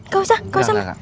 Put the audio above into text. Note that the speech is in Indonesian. gak usah gak usah